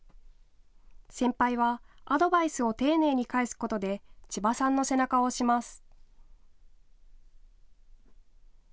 先輩はアドバイスを丁寧に返すことで千葉さんの背中を押します。